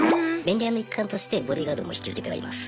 便利屋の一環としてボディーガードも引き受けてはいます。